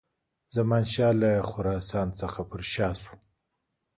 زمانشاه له خراسان څخه پر شا سو.